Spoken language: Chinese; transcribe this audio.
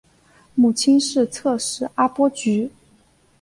母亲是侧室阿波局。